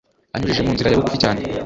anyujije mu nzira yabugufi cyane